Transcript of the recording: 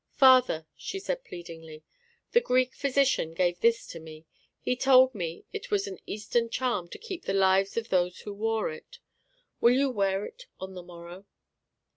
"Father," she said pleadingly, "the Greek physician gave this to me. He told me it was an Eastern charm to keep the lives of those who wore it. Will you wear it on the morrow?"